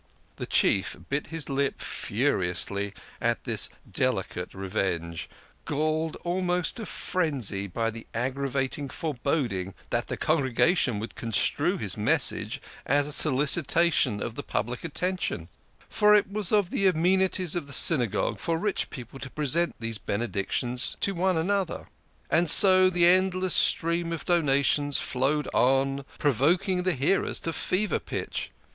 The Chief bit his lip furiously at this delicate venge ; galled almost to frenzy by the aggra vating foreboding that the congregation would construe his message as a solicitation of the polite attention. For it was of the amenities of the Synagogue for re i. 7 " SHE STROVE TO CATCH HER SPOUSE'S EYE.' 134 THE KING OF SCHNORRERS. rich people to present these Benedictions to one another. And so the endless stream of donatives flowed on, pro voking the hearers to fever pitch.